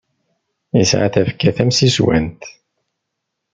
Isɛa tafekka tamsiswant.